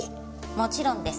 もちろんです。